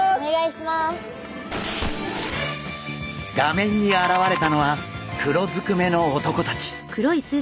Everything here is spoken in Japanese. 画面に現れたのは黒ずくめの男たち。